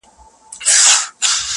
که هر څو خلګ ږغېږي چي بدرنګ یم